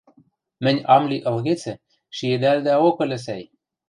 Мӹнь ам ли ылгецӹ, шиэдӓлӹдӓок ыльы, сӓй.